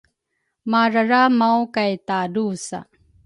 mararamau kay tadrusa.